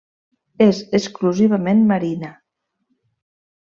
És exclusivament marina.